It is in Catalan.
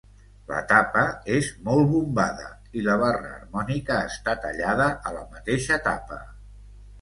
La tapa és molt bombada i la barra harmònica està tallada a la mateixa tapa.